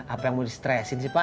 apa yang mau di stresin sih pak